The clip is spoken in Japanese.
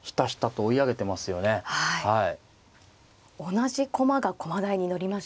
同じ駒が駒台に載りましたね。